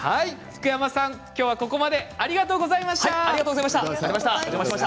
福山さん、今日はここまでありがとうございました。